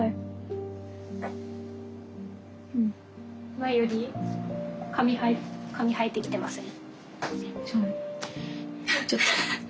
前より髪生えてきてますね。